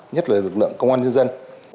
nhất là lực lượng công an nhân dân